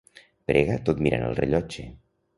Prega tot mirant el rellotge.